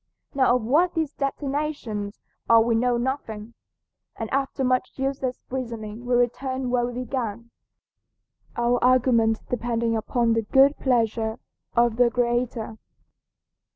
Now of what these destinations are we know nothing, and after much useless reasoning we return where we began, our argument depending upon the good pleasure of the Creator.